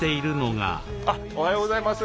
おはようございます。